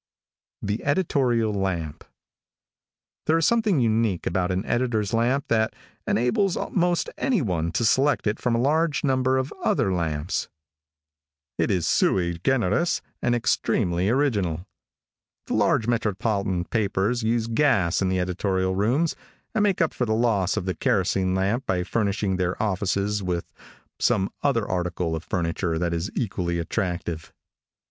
THE EDITORIAL LAMP. |THERE is something unique about an editor's lamp that, enables most anyone to select it from a large number of other lamps. It is sui generis and extremely original. The large metropolitan papers use gas in the editorial rooms, and make up for the loss of the kerosene lamp by furnishing their offices with some other article of furniture that is equally attractive.